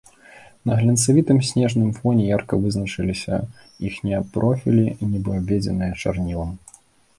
На глянцавітым снежным фоне ярка вызначыліся іхнія профілі, нібы абведзеныя чарнілам.